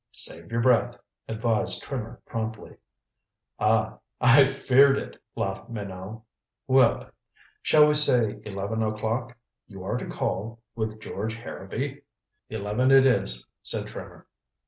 "Save your breath," advised Trimmer promptly. "Ah I feared it," laughed Minot. "Well then shall we say eleven o'clock? You are to call with George Harrowby." "Eleven it is," said Trimmer.